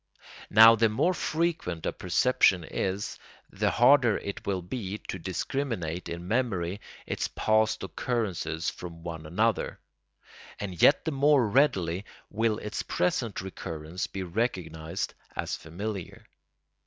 Now the more frequent a perception is the harder it will be to discriminate in memory its past occurrences from one another, and yet the more readily will its present recurrence be recognised as familiar.